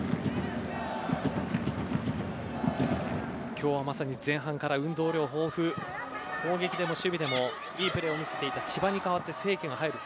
今日はまさに前半から運動量豊富攻撃でも守備でもいいプレーを見せた千葉に代わって清家が入る。